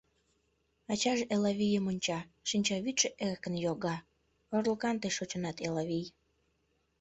Ачаже Элавийым онча, шинчавӱдшӧ эркын йога: «Орлыкан тый шочынат, Элавий».